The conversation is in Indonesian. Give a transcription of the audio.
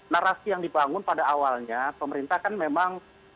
narasi yang dibangun pada awalnya pemerintah kan memang